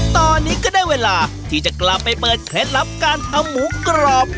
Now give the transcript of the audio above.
ตอนนี้ก็ได้เวลาที่จะกลับไปเปิดเคล็ดลับการทำหมูกรอบ